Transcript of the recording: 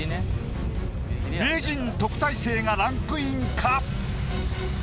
名人特待生がランクインか？